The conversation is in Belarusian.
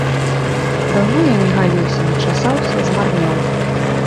Даўно ён не галіўся, не часаўся, змарнеў.